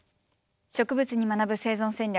「植物に学ぶ生存戦略」。